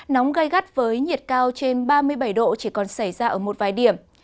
nóng gây gắt với nhiệt cao trên ba mươi bảy độ chỉ còn xảy ra ở một vài điểm